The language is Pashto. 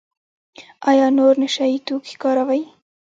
ایا نور نشه یي توکي کاروئ؟